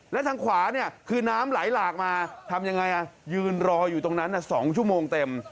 และทางขวาเนี่ยคือน้ำไหลหลากมาทำยังไงยืนรออยู่ตรงนั้น๒ชั่วโมงเต็ม